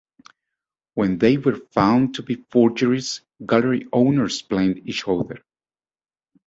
When they were found to be forgeries, gallery owners blamed each other.